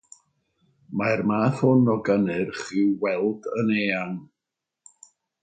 Mae'r math hwn o gynnyrch i'w weld yn eang.